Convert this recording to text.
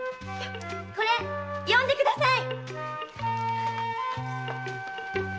これ読んでください！